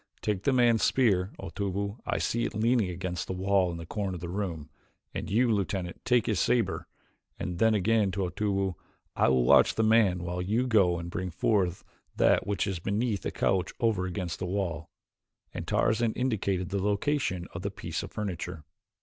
Take the man's spear, Otobu; I see it leaning against the wall in the corner of the room. And you, Lieutenant, take his saber," and then again to Otobu, "I will watch the man while you go and bring forth that which is beneath the couch over against this wall," and Tarzan indicated the location of the piece of furniture.